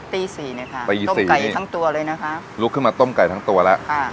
ตีสี่เนี้ยค่ะต้มไก่ทั้งตัวเลยนะคะลุกขึ้นมาต้มไก่ทั้งตัวแล้วค่ะ